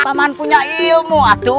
pak man punya ilmu atuh